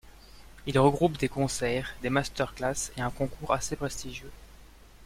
Il regroupe des concerts, des masterclasses et un concours assez prestigieux.